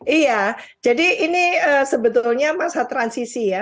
iya jadi ini sebetulnya masa transisi ya